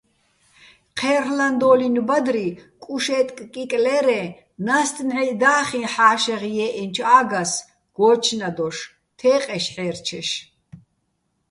ჴერლ'ანდო́ლინო̆ ბადრი კუშე́ტკკიკლირეჼ ნასტ ნჺაიჸ და́ხიჼ ჰ̦ა́შეღ ჲე́ჸენჩო̆ ა́გას გოჩნადოშ, თეყეშ-ჰე́რჩეშ.